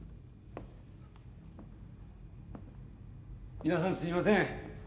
皆さんすいません。